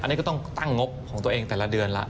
อันนี้ก็ต้องตั้งงบของตัวเองแต่ละเดือนแล้ว